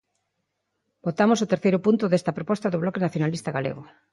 Votamos o terceiro punto desta proposta do Bloque Nacionalista Galego.